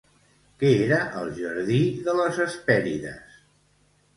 Què era el Jardí de les Hespèrides?